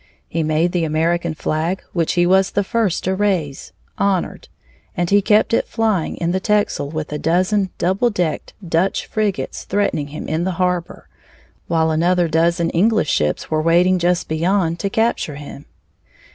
He made the American flag, which he was the first to raise, honored, and he kept it flying in the Texel with a dozen, double decked Dutch frigates threatening him in the harbor, while another dozen English ships were waiting just beyond to capture him.